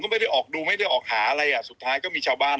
ไม่ได้ออกดูไม่ได้ออกหาอะไรอ่ะสุดท้ายก็มีชาวบ้าน